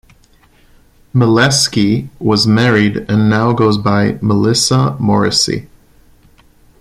Mileski was married and now goes by Melissa Morrisey.